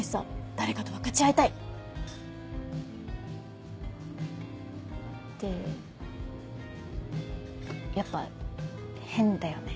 誰かと分かち合いたい！ってやっぱ変だよね？